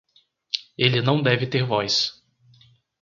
Ele não deve ter voz.